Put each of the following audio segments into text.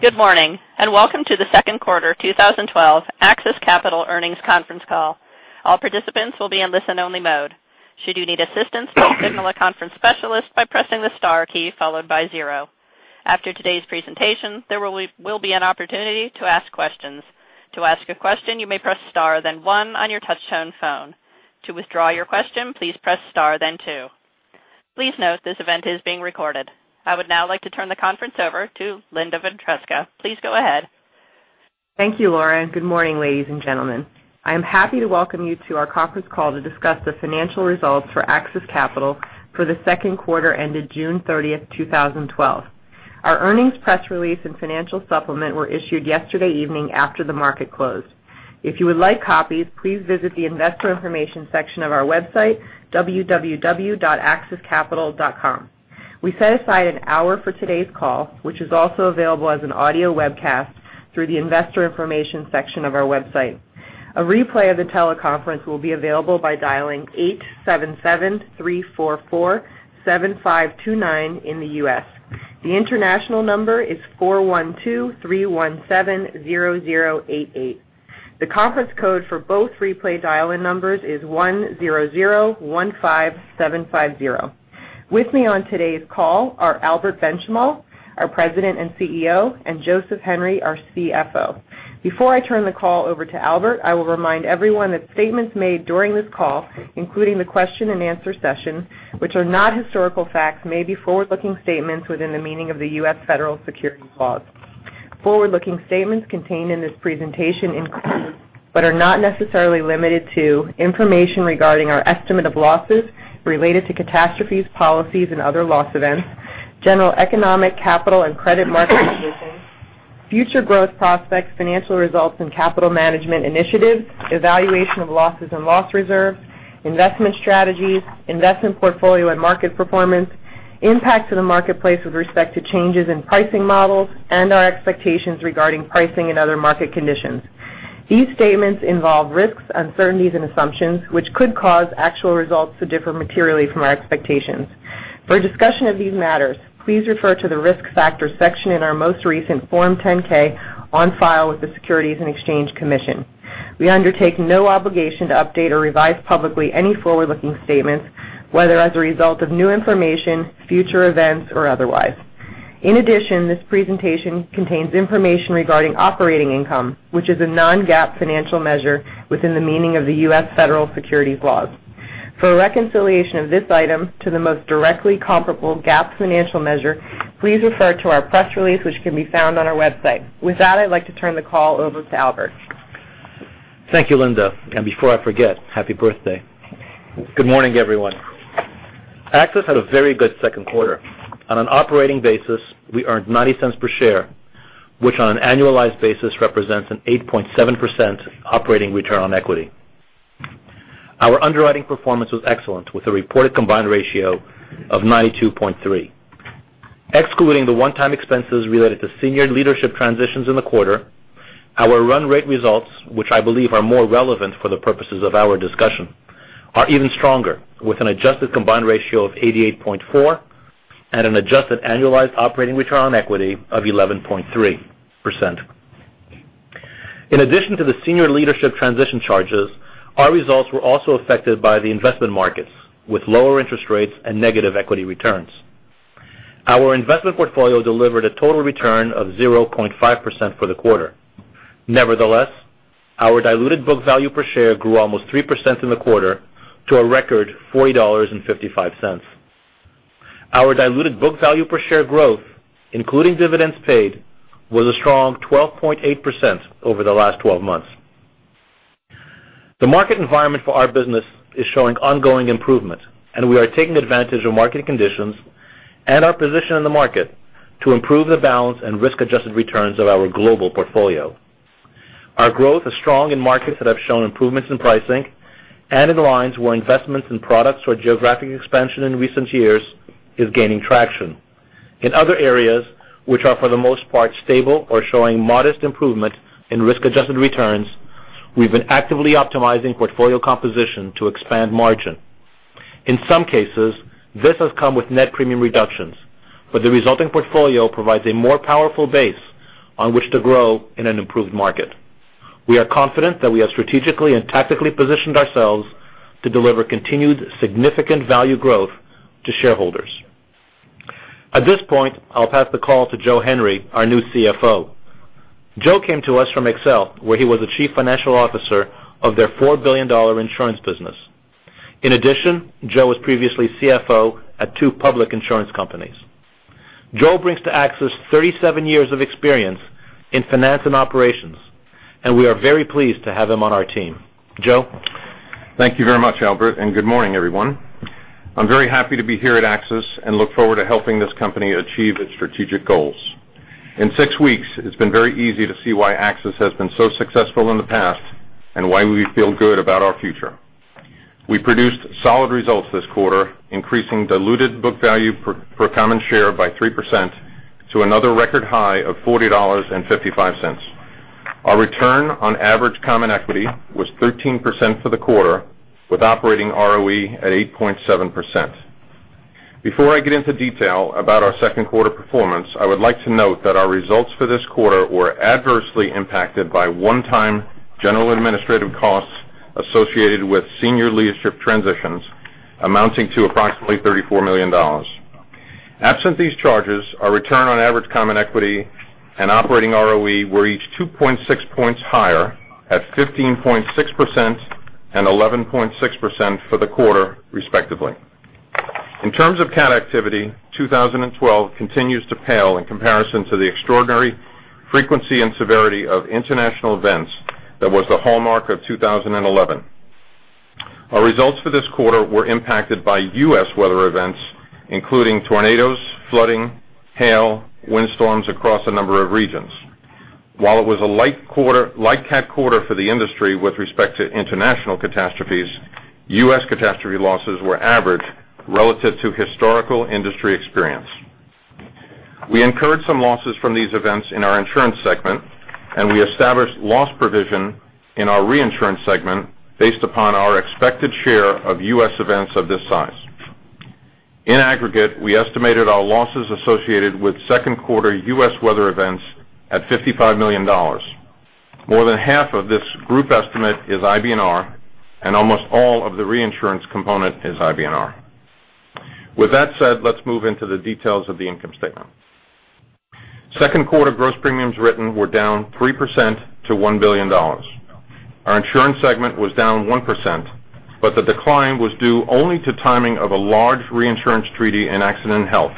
Good morning. Welcome to the second quarter 2012 AXIS Capital earnings conference call. All participants will be in listen-only mode. Should you need assistance, signal a conference specialist by pressing the star key followed by zero. After today's presentation, there will be an opportunity to ask questions. To ask a question, you may press star then one on your touchtone phone. To withdraw your question, please press star, then two. Please note, this event is being recorded. I would now like to turn the conference over to Linda Ventresca. Please go ahead. Thank you, Laura. Good morning, ladies and gentlemen. I am happy to welcome you to our conference call to discuss the financial results for AXIS Capital for the second quarter ended June 30th, 2012. Our earnings press release and financial supplement were issued yesterday evening after the market closed. If you would like copies, please visit the investor information section of our website, www.axiscapital.com. We set aside an hour for today's call, which is also available as an audio webcast through the investor information section of our website. A replay of the teleconference will be available by dialing 877-344-7529 in the U.S. The international number is 412-317-0088. The conference code for both replay dial-in numbers is 100-15750. With me on today's call are Albert Benchimol, our President and CEO, and Joseph Henry, our CFO. Before I turn the call over to Albert, I will remind everyone that statements made during this call, including the question and answer session, which are not historical facts, may be forward-looking statements within the meaning of the U.S. federal securities laws. Forward-looking statements contained in this presentation include, but are not necessarily limited to information regarding our estimate of losses related to catastrophes, policies, and other loss events, general economic, capital, and credit market conditions, future growth prospects, financial results, and capital management initiatives, evaluation of losses and loss reserves, investment strategies, investment portfolio and market performance, impact to the marketplace with respect to changes in pricing models, and our expectations regarding pricing and other market conditions. These statements involve risks, uncertainties and assumptions, which could cause actual results to differ materially from our expectations. For a discussion of these matters, please refer to the risk factors section in our most recent Form 10-K on file with the Securities and Exchange Commission. We undertake no obligation to update or revise publicly any forward-looking statements, whether as a result of new information, future events, or otherwise. In addition, this presentation contains information regarding operating income, which is a non-GAAP financial measure within the meaning of the U.S. federal securities laws. For a reconciliation of this item to the most directly comparable GAAP financial measure, please refer to our press release, which can be found on our website. With that, I'd like to turn the call over to Albert. Thank you, Linda, and before I forget, happy birthday. Good morning, everyone. AXIS had a very good second quarter. On an operating basis, we earned $0.90 per share, which on an annualized basis represents an 8.7% operating return on equity. Our underwriting performance was excellent, with a reported combined ratio of 92.3%. Excluding the one-time expenses related to senior leadership transitions in the quarter, our run rate results, which I believe are more relevant for the purposes of our discussion, are even stronger, with an adjusted combined ratio of 88.4% and an adjusted annualized operating return on equity of 11.3%. In addition to the senior leadership transition charges, our results were also affected by the investment markets, with lower interest rates and negative equity returns. Our investment portfolio delivered a total return of 0.5% for the quarter. Nevertheless, our diluted book value per share grew almost 3% in the quarter to a record $40.55. Our diluted book value per share growth, including dividends paid, was a strong 12.8% over the last 12 months. The market environment for our business is showing ongoing improvement, and we are taking advantage of market conditions and our position in the market to improve the balance and risk-adjusted returns of our global portfolio. Our growth is strong in markets that have shown improvements in pricing and in the lines where investments in products or geographic expansion in recent years is gaining traction. In other areas, which are for the most part stable or showing modest improvement in risk-adjusted returns, we've been actively optimizing portfolio composition to expand margin. In some cases, this has come with net premium reductions, but the resulting portfolio provides a more powerful base on which to grow in an improved market. We are confident that we have strategically and tactically positioned ourselves to deliver continued significant value growth to shareholders. At this point, I'll pass the call to Joe Henry, our new CFO. Joe came to us from XL Group, where he was the Chief Financial Officer of their $4 billion insurance business. In addition, Joe was previously CFO at two public insurance companies. Joe brings to AXIS 37 years of experience in finance and operations, and we are very pleased to have him on our team. Joe? Thank you very much Albert, and good morning, everyone. I'm very happy to be here at AXIS and look forward to helping this company achieve its strategic goals. In six weeks, it's been very easy to see why AXIS has been so successful in the past and why we feel good about our future. We produced solid results this quarter, increasing diluted book value per common share by 3% to another record high of $40.55. Our return on average common equity was 13% for the quarter, with operating ROE at 8.7%. Before I get into detail about our second quarter performance, I would like to note that our results for this quarter were adversely impacted by one-time general administrative costs associated with senior leadership transitions amounting to approximately $34 million. Absent these charges, our return on average common equity and operating ROE were each 2.6 points higher at 15.6% and 11.6% for the quarter, respectively. In terms of cat activity, 2012 continues to pale in comparison to the extraordinary frequency and severity of international events that was the hallmark of 2011. Our results for this quarter were impacted by U.S. weather events, including tornadoes, flooding, hail, windstorms across a number of regions. While it was a light cat quarter for the industry with respect to international catastrophes, U.S. catastrophe losses were average relative to historical industry experience. We incurred some losses from these events in our insurance segment, and we established loss provision in our reinsurance segment based upon our expected share of U.S. events of this size. In aggregate, we estimated our losses associated with second quarter U.S. weather events at $55 million. More than half of this group estimate is IBNR, and almost all of the reinsurance component is IBNR. With that said, let's move into the details of the income statement. Second quarter gross premiums written were down 3% to $1 billion. Our insurance segment was down 1%, but the decline was due only to timing of a large reinsurance treaty in accident and health.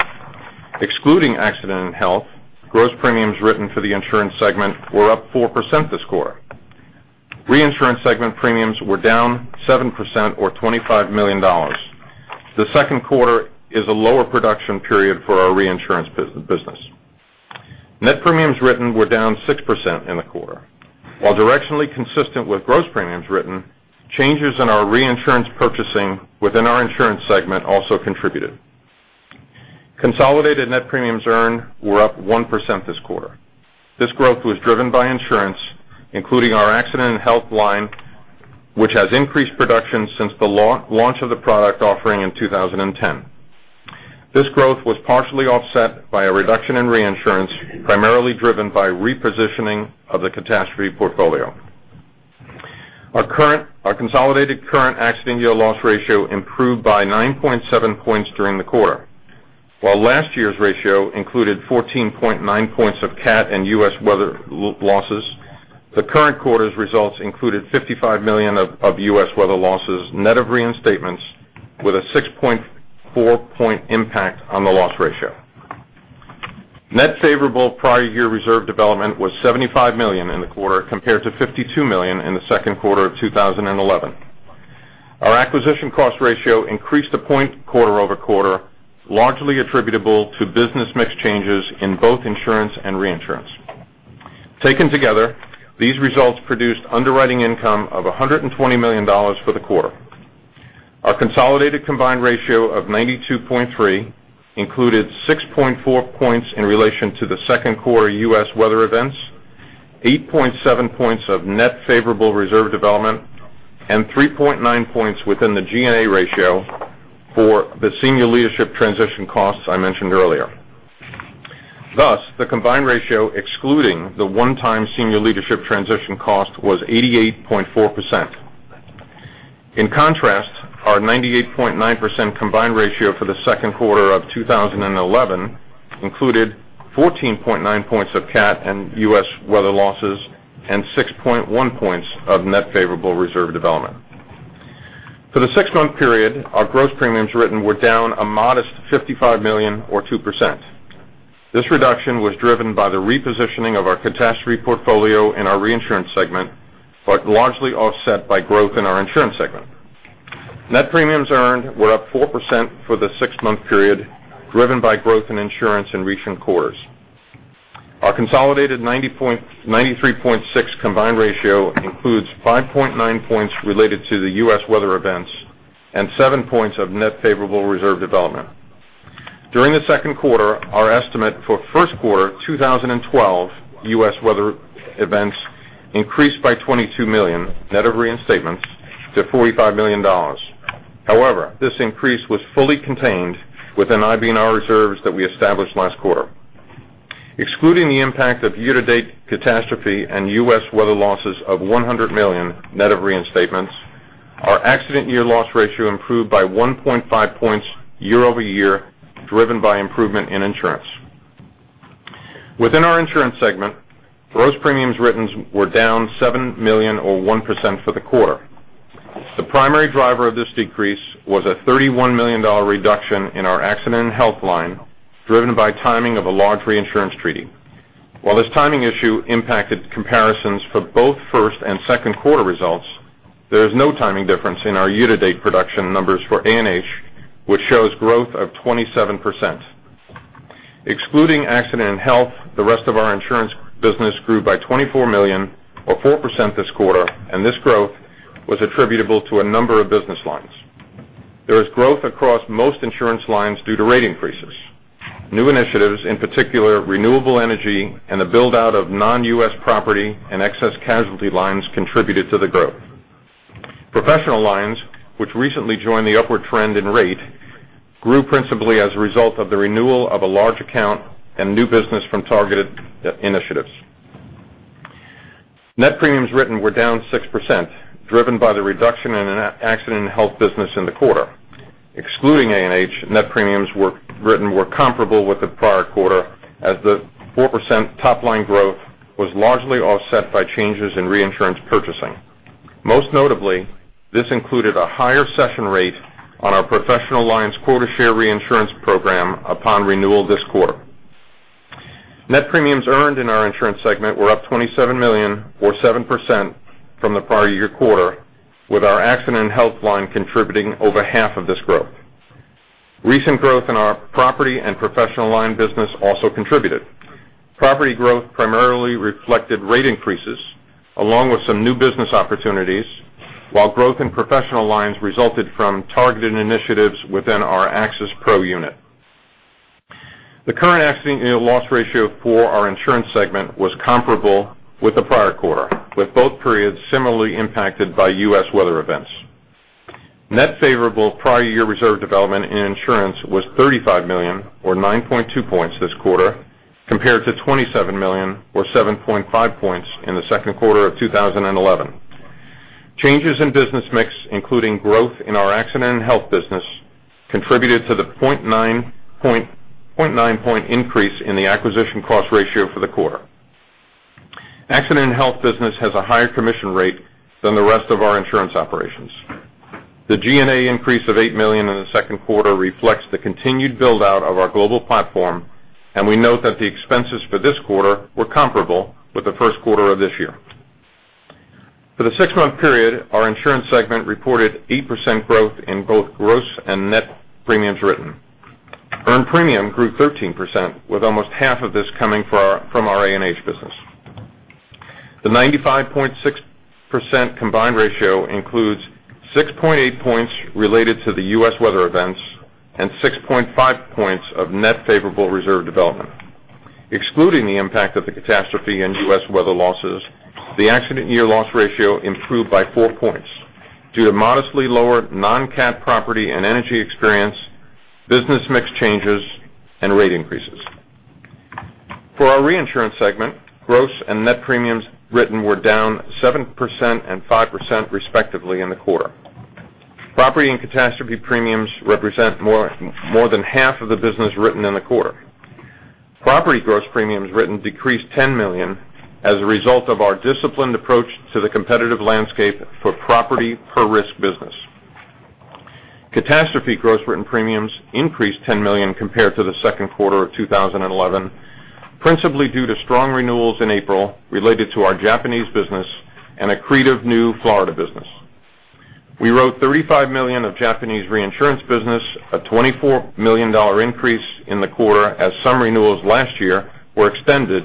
Excluding accident and health, gross premiums written for the insurance segment were up 4% this quarter. Reinsurance segment premiums were down 7% or $25 million. The second quarter is a lower production period for our reinsurance business. Net premiums written were down 6% in the quarter. While directionally consistent with gross premiums written, changes in our reinsurance purchasing within our insurance segment also contributed. Consolidated net premiums earned were up 1% this quarter. This growth was driven by insurance, including our accident and health line, which has increased production since the launch of the product offering in 2010. This growth was partially offset by a reduction in reinsurance, primarily driven by repositioning of the catastrophe portfolio. Our consolidated current accident year loss ratio improved by 9.7 points during the quarter. While last year's ratio included 14.9 points of cat and U.S. weather losses, the current quarter's results included $55 million of U.S. weather losses net of reinstatements with a 6.4 point impact on the loss ratio. Net favorable prior year reserve development was $75 million in the quarter, compared to $52 million in the second quarter of 2011. Our acquisition cost ratio increased a point quarter-over-quarter, largely attributable to business mix changes in both insurance and reinsurance. Taken together, these results produced underwriting income of $120 million for the quarter. Our consolidated combined ratio of 92.3 included 6.4 points in relation to the second quarter U.S. weather events, 8.7 points of net favorable reserve development, and 3.9 points within the G&A ratio for the senior leadership transition costs I mentioned earlier. Thus, the combined ratio excluding the one-time senior leadership transition cost was 88.4%. In contrast, our 98.9% combined ratio for the second quarter of 2011 included 14.9 points of cat and U.S. weather losses and 6.1 points of net favorable reserve development. For the six-month period, our gross premiums written were down a modest $55 million or 2%. This reduction was driven by the repositioning of our catastrophe portfolio in our reinsurance segment, but largely offset by growth in our insurance segment. Net premiums earned were up 4% for the six-month period, driven by growth in insurance and recent quarters. Our consolidated 93.6 combined ratio includes 5.9 points related to the U.S. weather events and seven points of net favorable reserve development. During the second quarter, our estimate for first quarter 2012 U.S. weather events increased by $22 million net of reinstatements to $45 million. However, this increase was fully contained within IBNR reserves that we established last quarter. Excluding the impact of year-to-date catastrophe and U.S. weather losses of $100 million net of reinstatements, our accident year loss ratio improved by 1.5 points year-over-year, driven by improvement in insurance. Within our insurance segment, gross premiums written were down $7 million or 1% for the quarter. The primary driver of this decrease was a $31 million reduction in our accident and health line, driven by timing of a large reinsurance treaty. This timing issue impacted comparisons for both first and second quarter results, there is no timing difference in our year-to-date production numbers for A&H, which shows growth of 27%. Excluding accident and health, the rest of our insurance business grew by $24 million or 4% this quarter. This growth was attributable to a number of business lines. There was growth across most insurance lines due to rate increases. New initiatives, in particular renewable energy and the build-out of non-U.S. property and excess casualty lines, contributed to the growth. Professional lines, which recently joined the upward trend in rate, grew principally as a result of the renewal of a large account and new business from targeted initiatives. Net premiums written were down 6%, driven by the reduction in an accident and health business in the quarter. Excluding A&H, net premiums written were comparable with the prior quarter, as the 4% top-line growth was largely offset by changes in reinsurance purchasing. Most notably, this included a higher session rate on our professional lines quota share reinsurance program upon renewal this quarter. Net premiums earned in our insurance segment were up $27 million, or 7% from the prior year quarter, with our accident and health line contributing over half of this growth. Recent growth in our property and professional line business also contributed. Property growth primarily reflected rate increases, along with some new business opportunities, while growth in professional lines resulted from targeted initiatives within our AXIS PRO unit. The current accident and loss ratio for our insurance segment was comparable with the prior quarter, with both periods similarly impacted by U.S. weather events. Net favorable prior year reserve development in insurance was $35 million, or 9.2 points this quarter, compared to $27 million, or 7.5 points in the second quarter of 2011. Changes in business mix, including growth in our accident and health business, contributed to the 0.9 point increase in the acquisition cost ratio for the quarter. Accident and health business has a higher commission rate than the rest of our insurance operations. The G&A increase of $8 million in the second quarter reflects the continued build-out of our global platform, and we note that the expenses for this quarter were comparable with the first quarter of this year. For the six-month period, our insurance segment reported 8% growth in both gross and net premiums written. Earned premium grew 13%, with almost half of this coming from our A&H business. The 95.6% combined ratio includes 6.8 points related to the U.S. weather events and 6.5 points of net favorable reserve development. Excluding the impact of the catastrophe and U.S. weather losses, the accident year loss ratio improved by four points due to modestly lower non-cat property and energy experience, business mix changes, and rate increases. For our reinsurance segment, gross and net premiums written were down 7% and 5%, respectively, in the quarter. Property and catastrophe premiums represent more than half of the business written in the quarter. Property gross premiums written decreased $10 million as a result of our disciplined approach to the competitive landscape for property per risk business. Catastrophe gross written premiums increased $10 million compared to the second quarter of 2011, principally due to strong renewals in April related to our Japanese business and accretive new Florida business. We wrote $35 million of Japanese reinsurance business, a $24 million increase in the quarter as some renewals last year were extended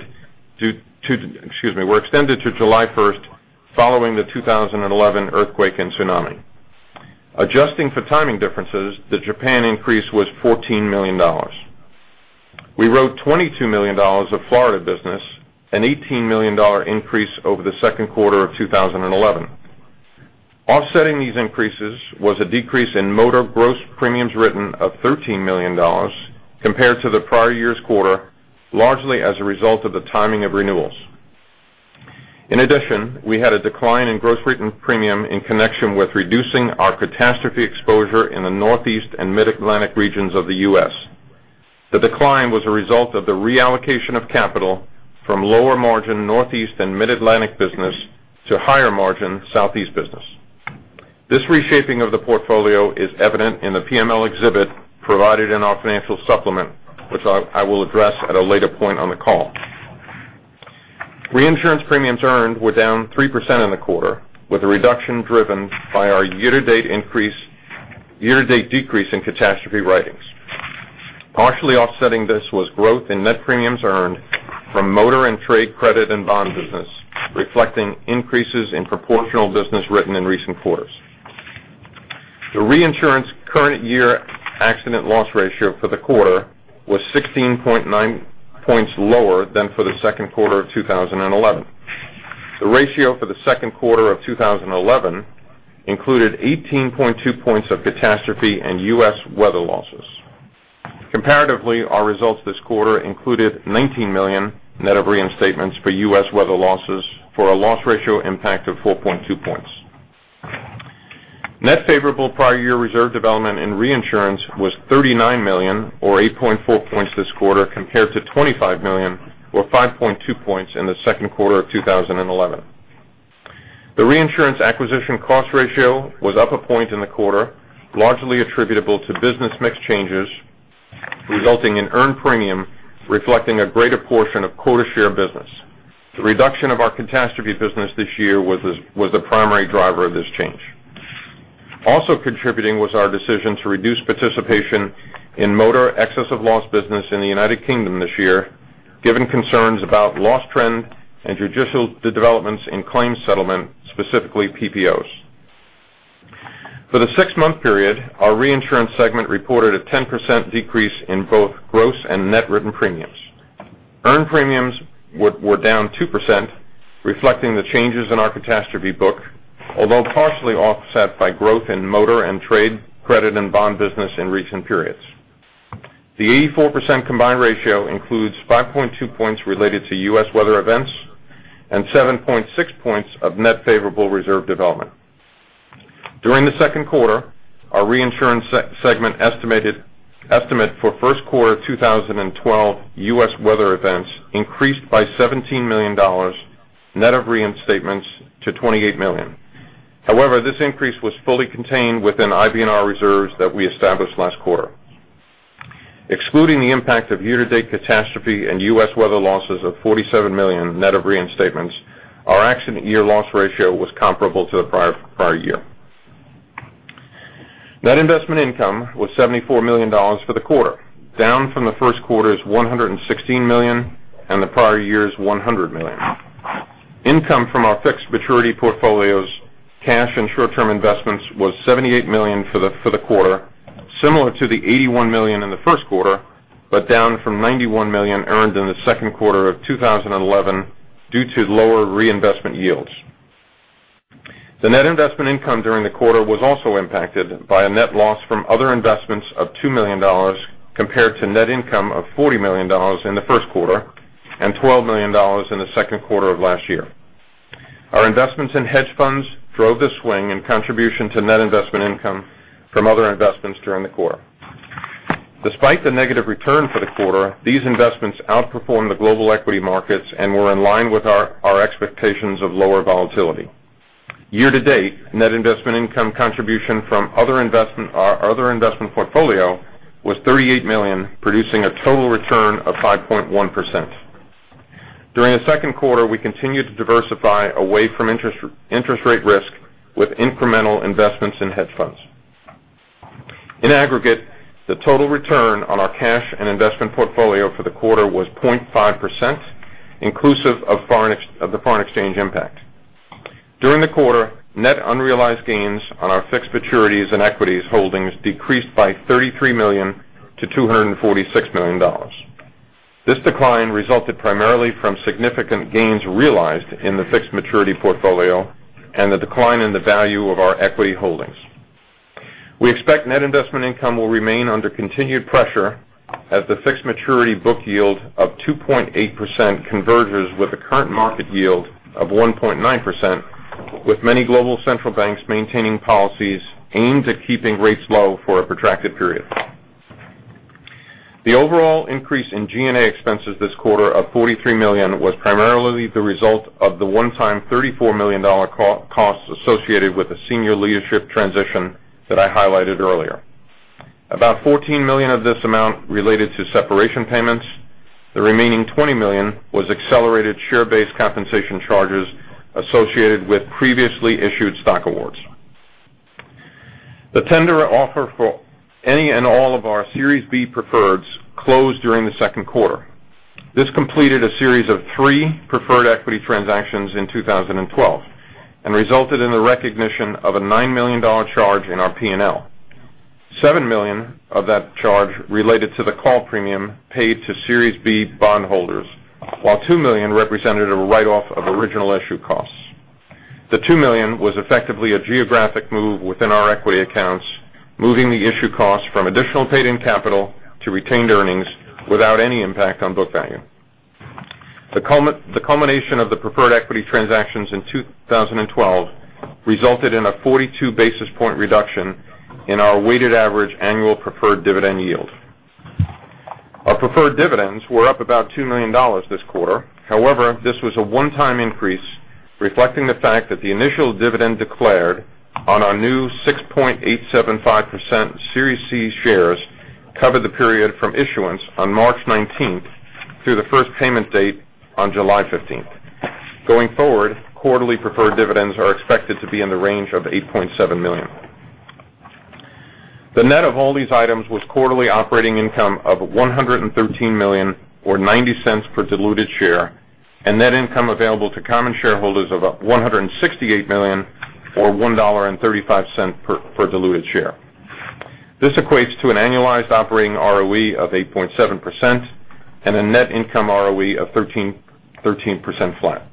to July 1st, following the 2011 earthquake and tsunami. Adjusting for timing differences, the Japan increase was $14 million. We wrote $22 million of Florida business, an $18 million increase over the second quarter of 2011. Offsetting these increases was a decrease in motor gross premiums written of $13 million compared to the prior year's quarter, largely as a result of the timing of renewals. In addition, we had a decline in gross written premium in connection with reducing our catastrophe exposure in the Northeast and Mid-Atlantic regions of the U.S. The decline was a result of the reallocation of capital from lower margin Northeast and Mid-Atlantic business to higher margin Southeast business. This reshaping of the portfolio is evident in the PML exhibit provided in our financial supplement, which I will address at a later point on the call. Reinsurance premiums earned were down 3% in the quarter, with a reduction driven by our year-to-date decrease in catastrophe writings. Partially offsetting this was growth in net premiums earned from motor and trade credit and bond business, reflecting increases in proportional business written in recent quarters. The reinsurance current year accident loss ratio for the quarter was 16.9 points lower than for the second quarter of 2011. The ratio for the second quarter of 2011 included 18.2 points of catastrophe and U.S. weather losses. Comparatively, our results this quarter included $19 million net of reinstatements for U.S. weather losses for a loss ratio impact of 4.2 points. Net favorable prior year reserve development in reinsurance was $39 million, or 8.4 points this quarter, compared to $25 million, or 5.2 points in the second quarter of 2011. The reinsurance acquisition cost ratio was up a point in the quarter, largely attributable to business mix changes, resulting in earned premium reflecting a greater portion of quota share business. The reduction of our catastrophe business this year was the primary driver of this change. Also contributing was our decision to reduce participation in motor excess of loss business in the United Kingdom this year, given concerns about loss trend and judicial developments in claims settlement, specifically PPOs. For the six-month period, our reinsurance segment reported a 10% decrease in both gross and net written premiums. Earned premiums were down 2%, reflecting the changes in our catastrophe book, although partially offset by growth in motor and trade, credit and bond business in recent periods. The 84% combined ratio includes 5.2 points related to U.S. weather events and 7.6 points of net favorable reserve development. During the second quarter, our reinsurance segment estimate for first quarter 2012 U.S. weather events increased by $17 million, net of reinstatements to $28 million. This increase was fully contained within IBNR reserves that we established last quarter. Excluding the impact of year-to-date catastrophe and U.S. weather losses of $47 million net of reinstatements, our accident year loss ratio was comparable to the prior year. Net investment income was $74 million for the quarter, down from the first quarter's $116 million and the prior year's $100 million. Income from our fixed maturity portfolio's cash and short-term investments was $78 million for the quarter, similar to the $81 million in the first quarter, but down from $91 million earned in the second quarter of 2011 due to lower reinvestment yields. The net investment income during the quarter was also impacted by a net loss from other investments of $2 million, compared to net income of $40 million in the first quarter and $12 million in the second quarter of last year. Our investments in hedge funds drove the swing in contribution to net investment income from other investments during the quarter. Despite the negative return for the quarter, these investments outperformed the global equity markets and were in line with our expectations of lower volatility. Year to date, net investment income contribution from our other investment portfolio was $38 million, producing a total return of 5.1%. During the second quarter, we continued to diversify away from interest rate risk with incremental investments in hedge funds. In aggregate, the total return on our cash and investment portfolio for the quarter was 0.5%, inclusive of the foreign exchange impact. During the quarter, net unrealized gains on our fixed maturities and equities holdings decreased by $33 million to $246 million. This decline resulted primarily from significant gains realized in the fixed maturity portfolio and the decline in the value of our equity holdings. We expect net investment income will remain under continued pressure as the fixed maturity book yield of 2.8% converges with the current market yield of 1.9%, with many global central banks maintaining policies aimed at keeping rates low for a protracted period. The overall increase in G&A expenses this quarter of $43 million was primarily the result of the one-time $34 million cost associated with the senior leadership transition that I highlighted earlier. About $14 million of this amount related to separation payments. The remaining $20 million was accelerated share-based compensation charges associated with previously issued stock awards. The tender offer for any and all of our Series B preferreds closed during the second quarter. This completed a series of three preferred equity transactions in 2012 and resulted in the recognition of a $9 million charge in our P&L. $7 million of that charge related to the call premium paid to Series B bondholders, while $2 million represented a write-off of original issue costs. The $2 million was effectively a geographic move within our equity accounts, moving the issue costs from additional paid-in capital to retained earnings without any impact on book value. The culmination of the preferred equity transactions in 2012 resulted in a 42 basis point reduction in our weighted average annual preferred dividend yield. Our preferred dividends were up about $2 million this quarter. However, this was a one-time increase reflecting the fact that the initial dividend declared on our new 6.875% Series C shares covered the period from issuance on March 19th through the first payment date on July 15th. Going forward, quarterly preferred dividends are expected to be in the range of $8.7 million. The net of all these items was quarterly operating income of $113 million or $0.90 per diluted share, and net income available to common shareholders of $168 million or $1.35 per diluted share. This equates to an annualized operating ROE of 8.7% and a net income ROE of 13% flat.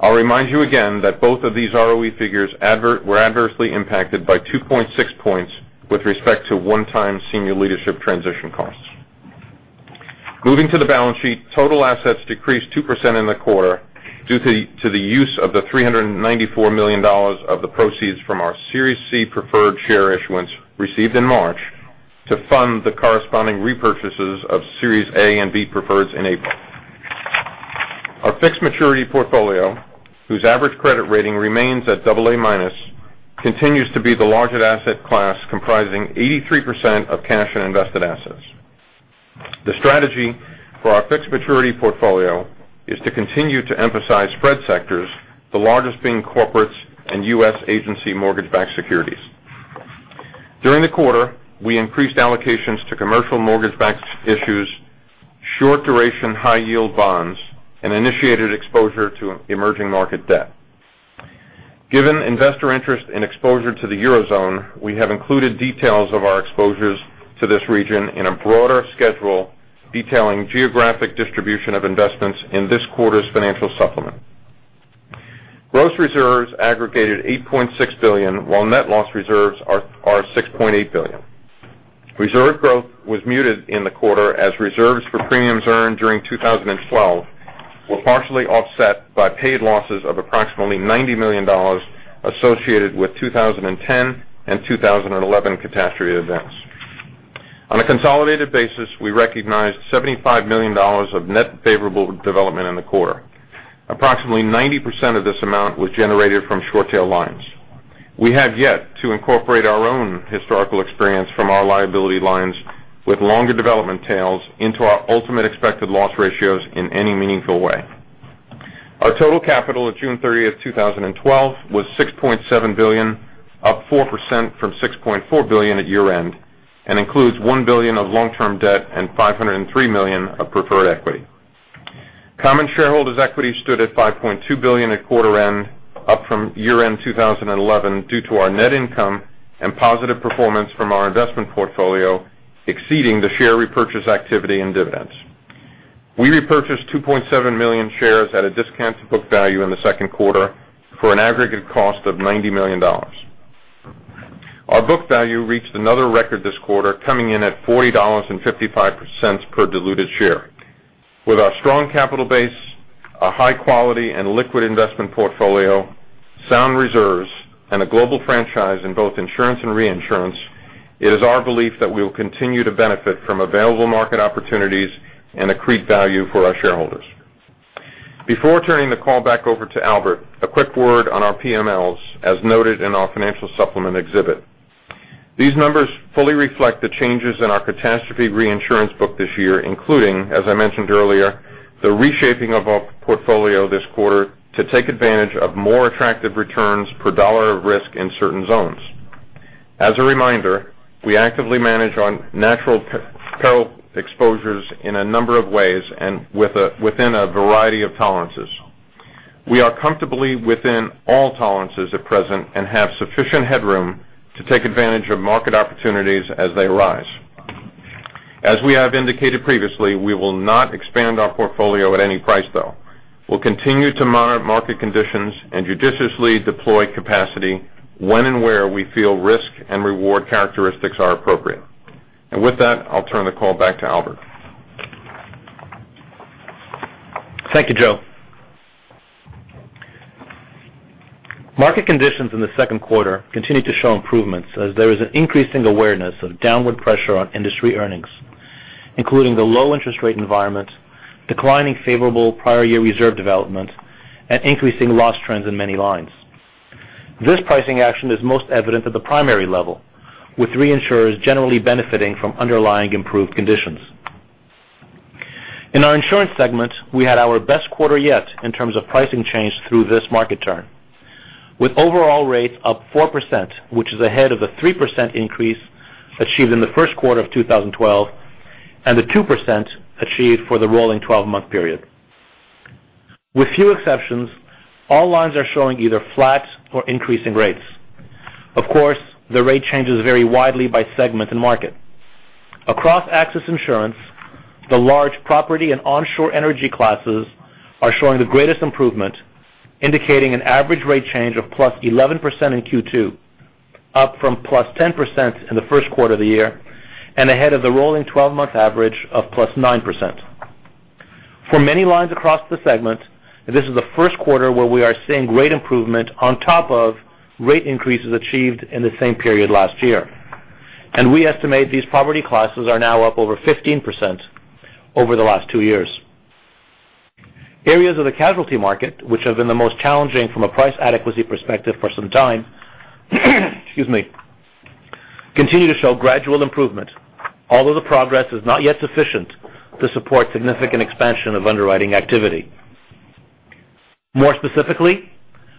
I'll remind you again that both of these ROE figures were adversely impacted by 2.6 points with respect to one-time senior leadership transition costs. Moving to the balance sheet, total assets decreased 2% in the quarter due to the use of the $394 million of the proceeds from our Series C preferred share issuance received in March to fund the corresponding repurchases of Series A and B preferreds in April. Our fixed maturity portfolio, whose average credit rating remains at double A minus, continues to be the largest asset class, comprising 83% of cash and invested assets. The strategy for our fixed maturity portfolio is to continue to emphasize spread sectors, the largest being corporates and U.S. agency mortgage-backed securities. During the quarter, we increased allocations to commercial mortgage-backed issues, short duration high yield bonds, and initiated exposure to emerging market debt. Given investor interest in exposure to the Eurozone, we have included details of our exposures to this region in a broader schedule detailing geographic distribution of investments in this quarter's financial supplement. Gross reserves aggregated $8.6 billion, while net loss reserves are $6.8 billion. Reserve growth was muted in the quarter as reserves for premiums earned during 2012 were partially offset by paid losses of approximately $90 million associated with 2010 and 2011 catastrophe events. On a consolidated basis, we recognized $75 million of net favorable development in the quarter. Approximately 90% of this amount was generated from short tail lines. We have yet to incorporate our own historical experience from our liability lines with longer development tails into our ultimate expected loss ratios in any meaningful way. Our total capital at June 30th, 2012, was $6.7 billion, up 4% from $6.4 billion at year-end, and includes $1 billion of long-term debt and $503 million of preferred equity. Common shareholders' equity stood at $5.2 billion at quarter end, up from year-end 2011 due to our net income and positive performance from our investment portfolio exceeding the share repurchase activity and dividends. We repurchased 2.7 million shares at a discount to book value in the second quarter for an aggregate cost of $90 million. Our book value reached another record this quarter, coming in at $40.55 per diluted share. With our strong capital base, a high quality and liquid investment portfolio, sound reserves, and a global franchise in both insurance and reinsurance, it is our belief that we will continue to benefit from available market opportunities and accrete value for our shareholders. Before turning the call back over to Albert, a quick word on our PMLs, as noted in our financial supplement exhibit. These numbers fully reflect the changes in our catastrophe reinsurance book this year, including, as I mentioned earlier, the reshaping of our portfolio this quarter to take advantage of more attractive returns per dollar of risk in certain zones. As a reminder, we actively manage our natural peril exposures in a number of ways and within a variety of tolerances. We are comfortably within all tolerances at present and have sufficient headroom to take advantage of market opportunities as they arise. As we have indicated previously, we will not expand our portfolio at any price, though. We will continue to monitor market conditions and judiciously deploy capacity when and where we feel risk and reward characteristics are appropriate. With that, I will turn the call back to Albert. Thank you, Joe. Market conditions in the second quarter continued to show improvements as there is an increasing awareness of downward pressure on industry earnings, including the low interest rate environment, declining favorable prior year reserve development, and increasing loss trends in many lines. This pricing action is most evident at the primary level, with reinsurers generally benefiting from underlying improved conditions. In our insurance segment, we had our best quarter yet in terms of pricing change through this market turn, with overall rates up 4%, which is ahead of the 3% increase achieved in the first quarter of 2012, and the 2% achieved for the rolling 12-month period. With few exceptions, all lines are showing either flat or increasing rates. Of course, the rate changes vary widely by segment and market. Across AXIS insurance, the large property and onshore energy classes are showing the greatest improvement, indicating an average rate change of +11% in Q2, up from +10% in the first quarter of the year, and ahead of the rolling 12-month average of +9%. For many lines across the segment, this is the first quarter where we are seeing great improvement on top of rate increases achieved in the same period last year. We estimate these property classes are now up over 15% over the last two years. Areas of the casualty market, which have been the most challenging from a price adequacy perspective for some time, continue to show gradual improvement, although the progress is not yet sufficient to support significant expansion of underwriting activity. More specifically,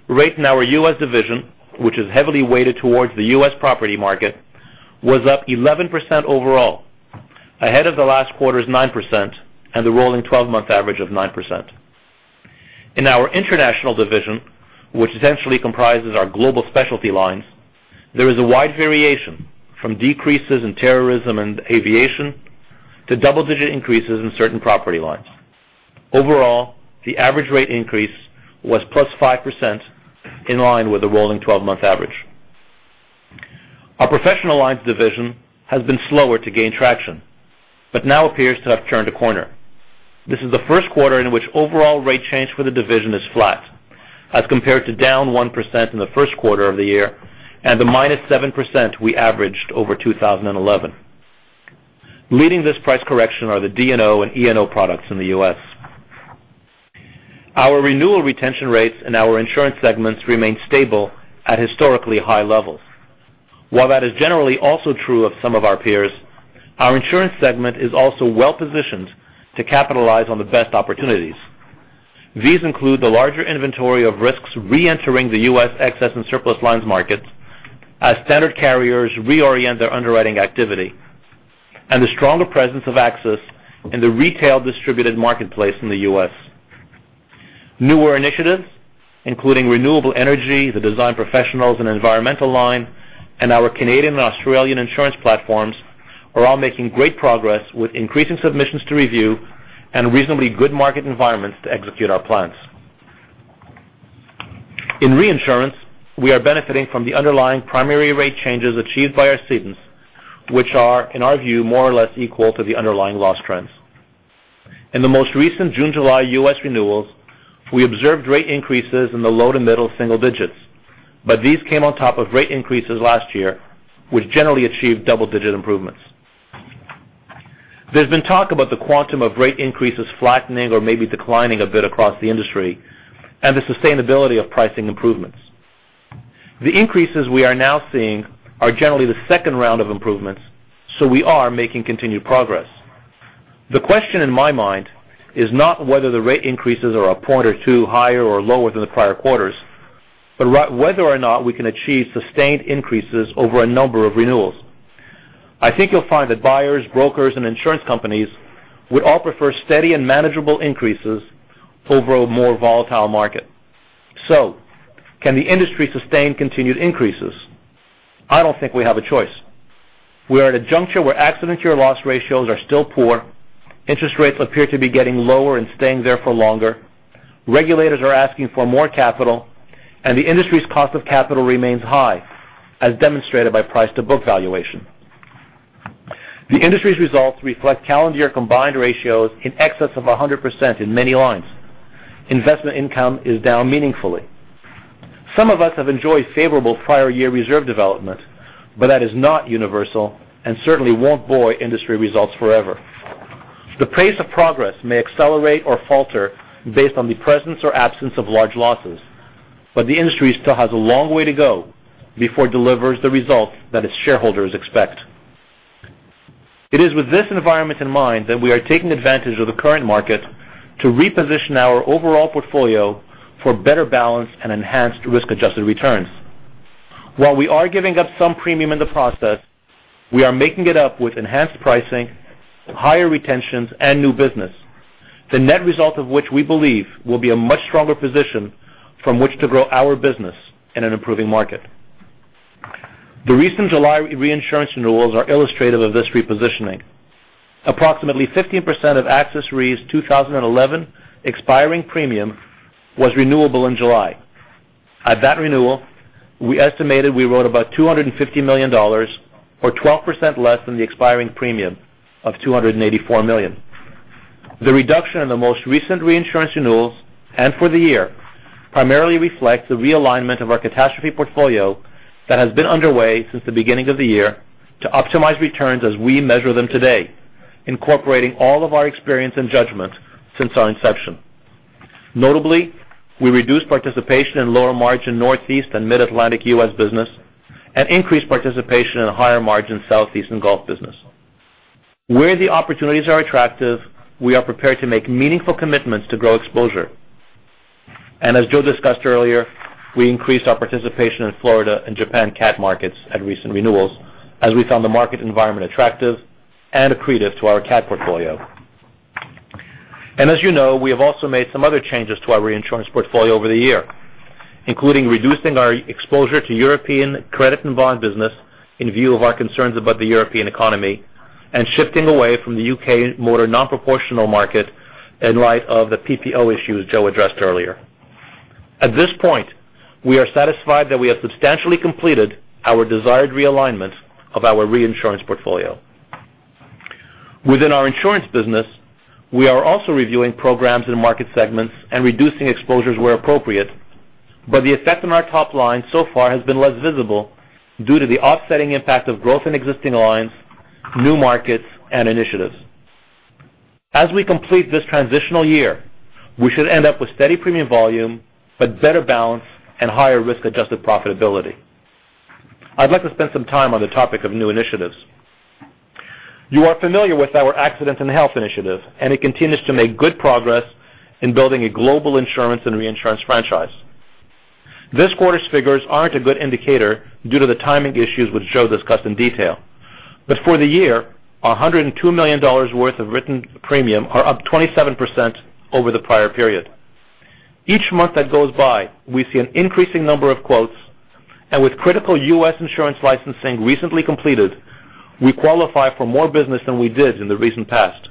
rate in our U.S. division, which is heavily weighted towards the U.S. property market, was up 11% overall, ahead of the last quarter's 9% and the rolling 12-month average of 9%. In our international division, which essentially comprises our global specialty lines, there is a wide variation from decreases in terrorism and aviation to double-digit increases in certain property lines. Overall, the average rate increase was +5%, in line with the rolling 12-month average. Our professional lines division has been slower to gain traction, now appears to have turned a corner. This is the first quarter in which overall rate change for the division is flat as compared to down 1% in the first quarter of the year and the -7% we averaged over 2011. Leading this price correction are the D&O and E&O products in the U.S. Our renewal retention rates in our insurance segments remain stable at historically high levels. While that is generally also true of some of our peers, our insurance segment is also well-positioned to capitalize on the best opportunities. These include the larger inventory of risks reentering the U.S. excess and surplus lines markets as standard carriers reorient their underwriting activity. The stronger presence of AXIS in the retail distributed marketplace in the U.S. Newer initiatives, including renewable energy, the design professionals and environmental line, and our Canadian and Australian insurance platforms are all making great progress with increasing submissions to review and reasonably good market environments to execute our plans. In reinsurance, we are benefiting from the underlying primary rate changes achieved by our cedents, which are, in our view, more or less equal to the underlying loss trends. In the most recent June, July U.S. renewals, we observed rate increases in the low to middle single digits, but these came on top of rate increases last year, which generally achieved double-digit improvements. There's been talk about the quantum of rate increases flattening or maybe declining a bit across the industry, and the sustainability of pricing improvements. The increases we are now seeing are generally the second round of improvements, so we are making continued progress. The question in my mind is not whether the rate increases are a point or two higher or lower than the prior quarters, but whether or not we can achieve sustained increases over a number of renewals. I think you'll find that buyers, brokers, and insurance companies would all prefer steady and manageable increases over a more volatile market. Can the industry sustain continued increases? I don't think we have a choice. We are at a juncture where accident year loss ratios are still poor, interest rates appear to be getting lower and staying there for longer, regulators are asking for more capital, and the industry's cost of capital remains high, as demonstrated by price to book valuation. The industry's results reflect calendar year combined ratios in excess of 100% in many lines. Investment income is down meaningfully. Some of us have enjoyed favorable prior year reserve development, but that is not universal and certainly won't buoy industry results forever. The pace of progress may accelerate or falter based on the presence or absence of large losses, but the industry still has a long way to go before it delivers the results that its shareholders expect. It is with this environment in mind that we are taking advantage of the current market to reposition our overall portfolio for better balance and enhanced risk-adjusted returns. While we are giving up some premium in the process, we are making it up with enhanced pricing, higher retentions, and new business. The net result of which we believe will be a much stronger position from which to grow our business in an improving market. The recent July reinsurance renewals are illustrative of this repositioning. Approximately 15% of AXIS Re's 2011 expiring premium was renewable in July. At that renewal, we estimated we wrote about $250 million, or 12% less than the expiring premium of $284 million. The reduction in the most recent reinsurance renewals, for the year, primarily reflects the realignment of our catastrophe portfolio that has been underway since the beginning of the year to optimize returns as we measure them today, incorporating all of our experience and judgment since our inception. Notably, we reduced participation in lower margin Northeast and Mid-Atlantic U.S. business and increased participation in higher margin Southeast and Gulf business. Where the opportunities are attractive, we are prepared to make meaningful commitments to grow exposure. As Joe discussed earlier, we increased our participation in Florida and Japan cat markets at recent renewals as we found the market environment attractive and accretive to our cat portfolio. As you know, we have also made some other changes to our reinsurance portfolio over the year, including reducing our exposure to European credit and bond business in view of our concerns about the European economy, shifting away from the U.K. motor non-proportional market in light of the PPO issues Joe addressed earlier. At this point, we are satisfied that we have substantially completed our desired realignment of our reinsurance portfolio. Within our insurance business, we are also reviewing programs in market segments and reducing exposures where appropriate, the effect on our top line so far has been less visible due to the offsetting impact of growth in existing lines, new markets, and initiatives. As we complete this transitional year, we should end up with steady premium volume, better balance and higher risk-adjusted profitability. I'd like to spend some time on the topic of new initiatives. You are familiar with our accidents and health initiative, it continues to make good progress in building a global insurance and reinsurance franchise. This quarter's figures aren't a good indicator due to the timing issues, which Joe discussed in detail. For the year, $102 million worth of written premium are up 27% over the prior period. Each month that goes by, we see an increasing number of quotes, with critical U.S. insurance licensing recently completed, we qualify for more business than we did in the recent past.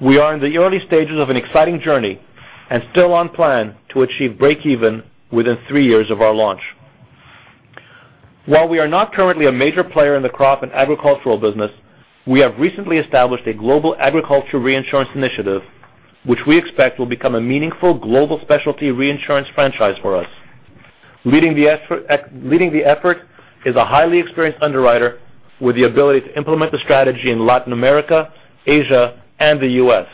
We are in the early stages of an exciting journey and still on plan to achieve breakeven within three years of our launch. While we are not currently a major player in the crop and agricultural business, we have recently established a Global Agricultural Reinsurance Initiative, which we expect will become a meaningful global specialty reinsurance franchise for us. Leading the effort is a highly experienced underwriter with the ability to implement the strategy in Latin America, Asia, and the U.S.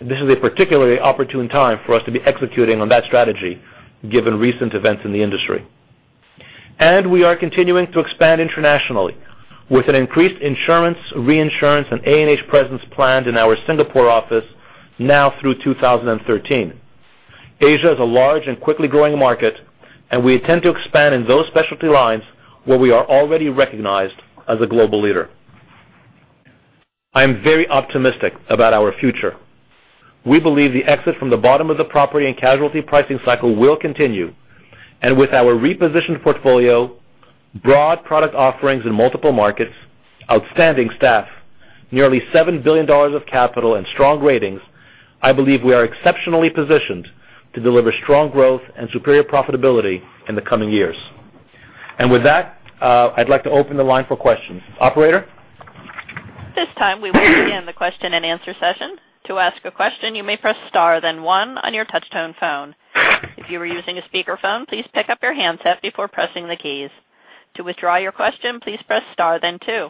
This is a particularly opportune time for us to be executing on that strategy given recent events in the industry. We are continuing to expand internationally with an increased insurance, reinsurance, and A&H presence planned in our Singapore office now through 2013. Asia is a large and quickly growing market, we intend to expand in those specialty lines where we are already recognized as a global leader. I am very optimistic about our future. We believe the exit from the bottom of the property and casualty pricing cycle will continue. With our repositioned portfolio, broad product offerings in multiple markets, outstanding staff, nearly $7 billion of capital, and strong ratings, I believe we are exceptionally positioned to deliver strong growth and superior profitability in the coming years. With that, I'd like to open the line for questions. Operator? At this time, we will begin the question and answer session. To ask a question, you may press star then one on your touch tone phone. If you are using a speakerphone, please pick up your handset before pressing the keys. To withdraw your question, please press star then two.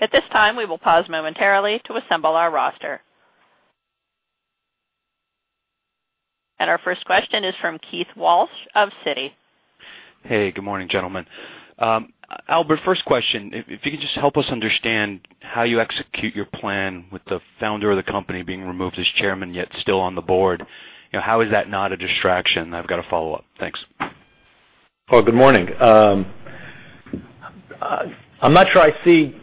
At this time, we will pause momentarily to assemble our roster. Our first question is from Keith Walsh of Citi. Hey, good morning, gentlemen. Albert, first question, if you could just help us understand how you execute your plan with the founder of the company being removed as chairman, yet still on the board. How is that not a distraction? I've got a follow-up. Thanks. Oh, good morning. I'm not sure I see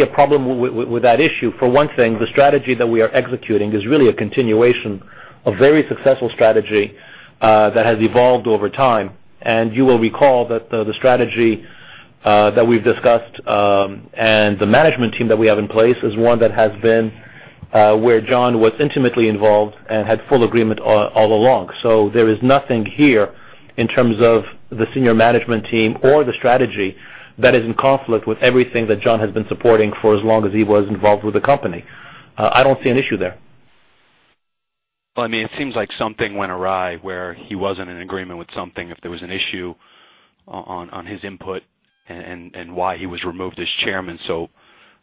a problem with that issue. For one thing, the strategy that we are executing is really a continuation of very successful strategy that has evolved over time. You will recall that the strategy that we've discussed and the management team that we have in place is one that has been where John was intimately involved and had full agreement all along. There is nothing here in terms of the senior management team or the strategy that is in conflict with everything that John has been supporting for as long as he was involved with the company. I don't see an issue there. It seems like something went awry where he wasn't in agreement with something, if there was an issue on his input and why he was removed as chairman.